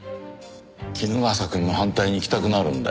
衣笠くんの反対に行きたくなるんだよ。